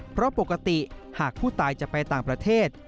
เพราะปกติหากผู้ตายจะไปต่างประเทศ